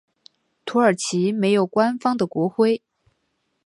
土耳其没有官方的国徽。